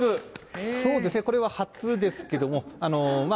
そうですね、これは初ですけども、まあ、